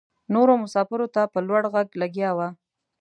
نورو مساپرو ته په لوړ غږ لګیا وه.